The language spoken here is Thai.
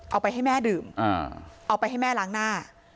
เอาไปให้แม่ดื่มเอาไปให้แม่ล้างหน้า